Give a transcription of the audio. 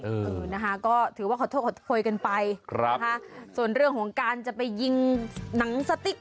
เออนะคะก็ถือว่าขอโทษขอคุยกันไปครับนะคะส่วนเรื่องของการจะไปยิงหนังสติ๊ก